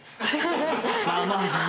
まあまあまあ。